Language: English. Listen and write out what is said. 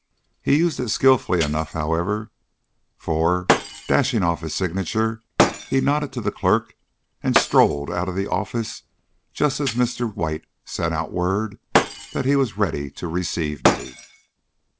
He used it skilfully enough, however, for, dashing off his signature, he nodded to the clerk and strolled out of the office just as Mr. White sent out word that he was ready to receive me.